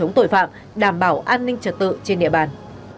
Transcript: chống tội phạm đảm bảo an ninh trật tự trên địa bàn